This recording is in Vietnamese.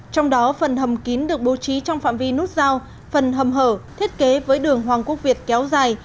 trong đó phần hầm kín được bố trí trong phạm vi nút giao phần hầm hở thiết kế với đường hoàng quốc việt kéo dài